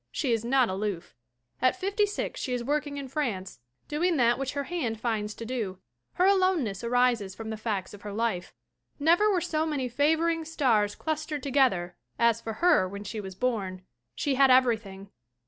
She is not aloof. At 56 she is working in France, doing that which her hand finds to do. Her aloneness arises from the facts of her life. Never were so many favoring stars clustered together as for her when she was born. She had everything.